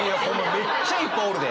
めっちゃいっぱいおるで！